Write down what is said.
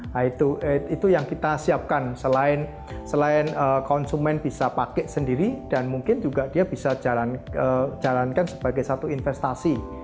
nah itu yang kita siapkan selain konsumen bisa pakai sendiri dan mungkin juga dia bisa jalankan sebagai satu investasi